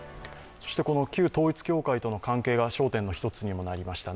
この旧統一教会との関係が焦点の一つにもなりました